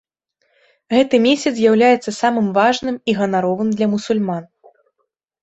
Гэты месяц з'яўляецца самым важным і ганаровым для мусульман.